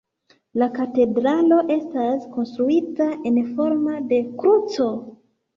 La katedralo estas konstruita en formo de kruco.